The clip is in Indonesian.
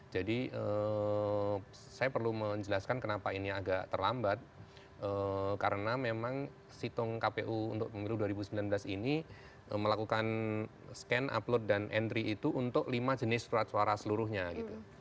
jadi saya perlu menjelaskan kenapa ini agak terlambat karena memang situng kpu untuk pemilu dua ribu sembilan belas ini melakukan scan upload dan entry itu untuk lima jenis suara suara seluruhnya gitu